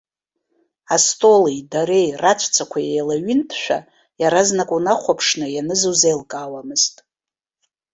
Астоли, дареи, раҵәцақәеи еилаҩынтшәа, иаразнак унахәаԥшны ианыз узеилкаауамызт.